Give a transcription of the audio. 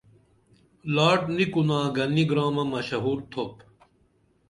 لاٹ نی کُنا گنی گرامہ مشہُور تُھوپ